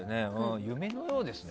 夢のようですよ。